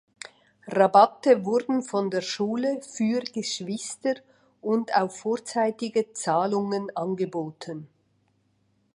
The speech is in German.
Rabatte wurden von der Schule für Geschwister und auf vorzeitige Zahlungen angeboten.